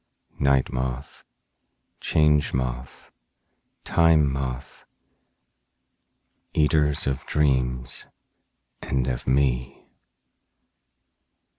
Night Moth, Change Moth, Time Moth, eaters of dreams and of me!